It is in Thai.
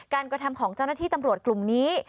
กระทำของเจ้าหน้าที่ตำรวจกลุ่มนี้